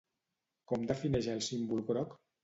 Com defineix el símbol groc?